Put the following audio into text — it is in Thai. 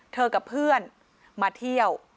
กับเพื่อนมาเที่ยว